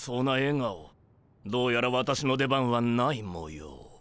どうやら私の出番はないもよう。